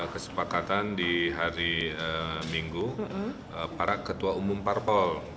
kesepakatan di hari minggu para ketua umum parpol